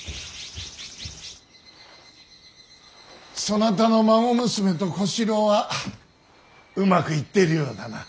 そなたの孫娘と小四郎はうまくいっているようだな。